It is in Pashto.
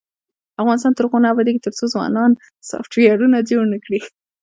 افغانستان تر هغو نه ابادیږي، ترڅو ځوانان سافټویرونه جوړ نکړي.